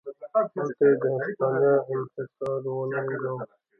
هلته یې د هسپانیا انحصار وننګاوه.